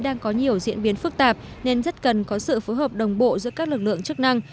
đang có nhiều diễn biến phức tạp nên rất cần có sự phối hợp đồng bộ giữa các lực lượng chức năng